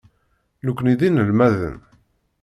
Nekkni d inelmaden.